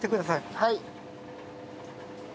はい。